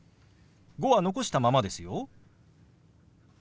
「５」は残したままですよ。